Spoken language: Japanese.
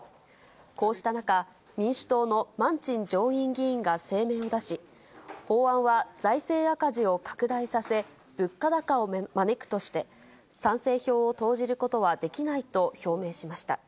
こうした中、民主党のマンチン上院議員が声明を出し、法案は税制赤字を拡大させ、物価高を招くとして、賛成票を投じることはできないと表明しました。